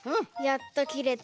やっときれた。